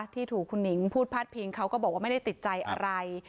ที่ถูกคุณหนิงพูดพาดพิงเขาก็บอกว่าไม่ได้ติดใจอะไร